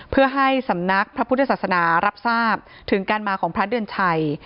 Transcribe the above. เพื่อให้สำนักพระพุทธศาสนารับทราบถึงการมาของพระเดือนชัย